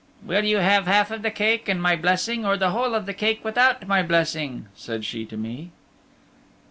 "Will you have half of the cake and my blessing or the whole of the cake without my blessing?" said she to me.